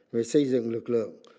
với xây dựng lực lượng